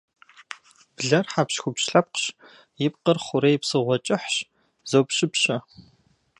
Блэр хьэпщхупщ лъэпкъщ, и пкъыр хъурей псыгъуэ кӏыхьщ, зопщыпщэ.